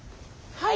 はい。